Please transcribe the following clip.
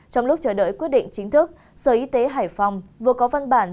trong lúc chờ đợi quyết định chính thức sở y tế hải phòng vừa có văn bản